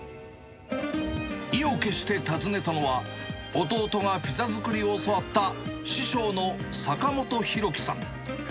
意を決して訪ねたのは、弟がピザ作りを教わった、師匠の坂本大樹さん。